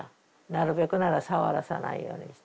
なるべくなら触らさないようにして。